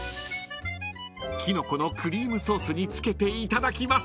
［きのこのクリームソースにつけていただきます］